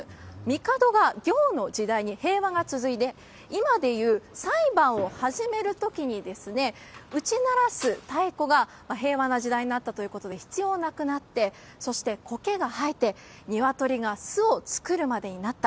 帝がぎょうの時代に平和が続いて、今でいう、裁判を始めるときに、打ち鳴らす太鼓が、平和な時代になったということで、必要なくなって、そしてコケが生えて、ニワトリが巣を作るまでになった。